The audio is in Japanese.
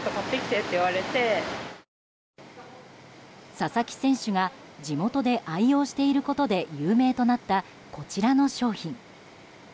佐々木選手が地元で愛用していることで有名となったこちらの商品。